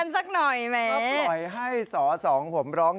ทนไม่ไหว